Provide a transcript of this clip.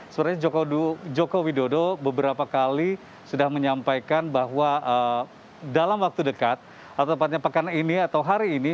sebenarnya joko widodo beberapa kali sudah menyampaikan bahwa dalam waktu dekat atau tepatnya pekan ini atau hari ini